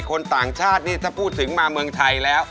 คนต่างชาตินี่ถ้าพูดถึงมาเมืองไทยแล้ว